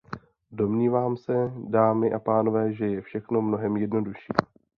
Domnívám se, dámy a pánové, že je všechno mnohem jednodušší.